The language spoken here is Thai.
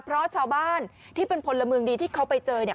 เพราะชาวบ้านที่เป็นพลเมืองดีที่เขาไปเจอเนี่ย